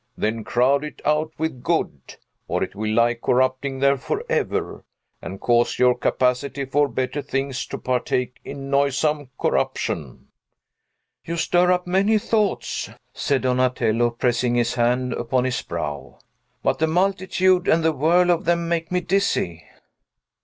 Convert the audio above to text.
Then crowd it out with good, or it will lie corrupting there forever, and cause your capacity for better things to partake its noisome corruption!" "You stir up many thoughts," said Donatello, pressing his hand upon his brow, "but the multitude and the whirl of them make me dizzy."